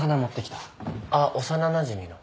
あっ幼なじみの。